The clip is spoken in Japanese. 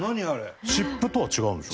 湿布とは違うんでしょ？